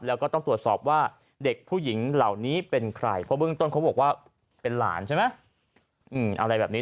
แล้วก็ต้องตรวจสอบว่าเด็กผู้หญิงเหล่านี้เป็นใครเพราะเบื้องต้นเขาบอกว่าเป็นหลานใช่ไหมอะไรแบบนี้